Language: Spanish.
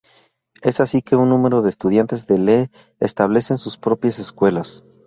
Es así que un número de estudiantes de Lee establecen sus propias escuelas.